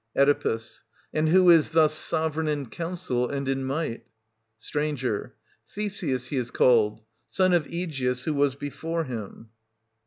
Oe. And who is thus sovereign in counsel and in might ? St. Theseus he is called, son of Aegeus who was before him.